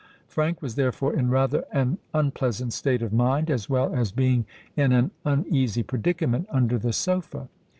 Frank was therefore in rather an unpleasant state of mind, as well as being in an uneasy predicament under the sofa.